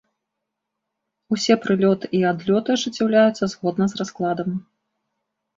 Усе прылёты і адлёты ажыццяўляюцца згодна з раскладам.